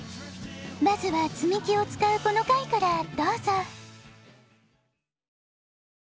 まずはつみきをつかうこのかいからどうぞ。